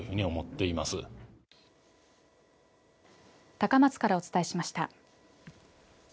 高松からお伝えしました。